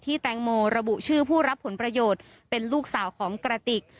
แตงโมระบุชื่อผู้รับผลประโยชน์เป็นลูกสาวของกระติก